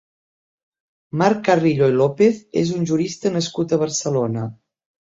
Marc Carrillo i López és un jurista nascut a Barcelona.